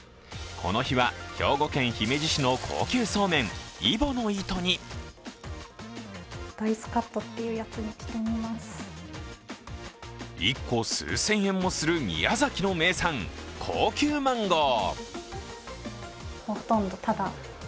この日は兵庫県姫路市の高級そうめん、揖保乃糸に１個数千円もする宮崎の名産、高級マンゴー。